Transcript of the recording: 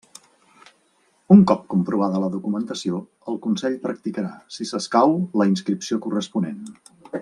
Un cop comprovada la documentació, el Consell practicarà, si s'escau, la inscripció corresponent.